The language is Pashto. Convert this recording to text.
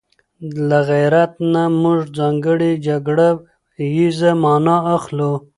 له غيرت نه موږ ځانګړې جګړه ييزه مانا اخلو